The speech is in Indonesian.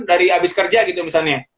dari abis kerja gitu misalnya